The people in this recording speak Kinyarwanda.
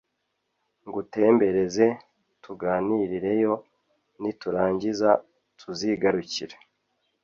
ngutembereze tuganirireyo niturangiza tuzigarukire"